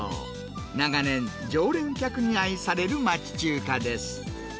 長年、常連客に愛される町中華です。